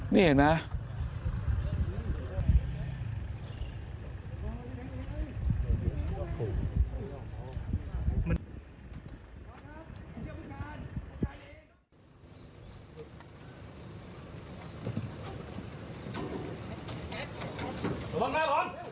นี่เห็นไหม